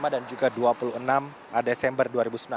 dan juga dua puluh enam desember dua ribu sembilan belas